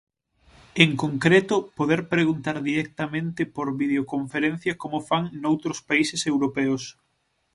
En concreto, poder preguntar directamente por videoconferencia como fan noutros países europeos.